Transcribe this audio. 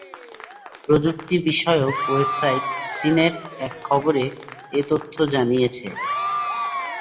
প্রযুক্তিবিষয়ক website CNET এক খবরে এ তথ্য জানিয়েছে।